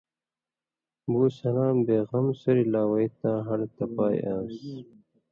بُو سلام بے غم سُریۡ لا وئ تاں ہڑہۡ تبائ آن٘س